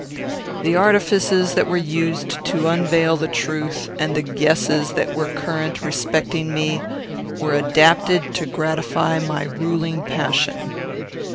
The artifices that were used to unveil the truth, and the guesses that were current respecting me, were adapted to gratify my ruling passion.